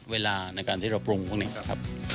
เวลาในการที่เราปรุงของนี่ครับ